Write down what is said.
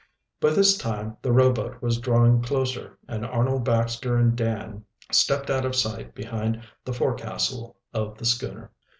By this time the rowboat was drawing closer, and Arnold Baxter and Dan stepped out of sight behind the forecastle of the schooner.